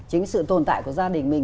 chính sự tồn tại của gia đình mình